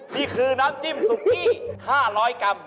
นี่คือน้ำจิ้มสุกี้๕๐๐กรัม